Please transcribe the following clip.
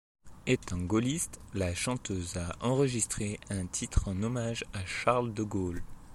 Étant gaulliste, la chanteuse a enregistré un titre en hommage à Charles de Gaulle.